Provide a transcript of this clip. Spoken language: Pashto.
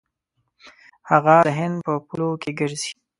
هغه د هند په پولو کې ګرځېدی.